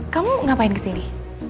kamu ngapain kesini